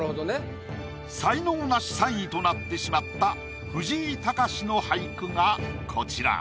才能ナシ３位となってしまった藤井隆の俳句がこちら。